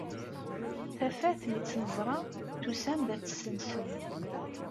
Tafat mi tt-neẓra, tusam-d ad tt-tessensem.